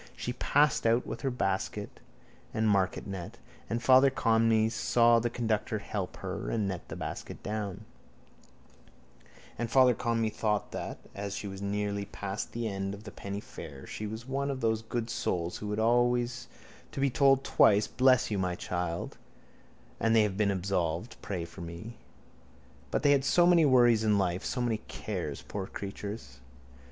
She passed out with her basket and a marketnet: and Father Conmee saw the conductor help her and net and basket down: and Father Conmee thought that, as she had nearly passed the end of the penny fare, she was one of those good souls who had always to be told twice bless you, my child, that they have been absolved, pray for me. But they had so many worries in life, so many cares, poor creatures.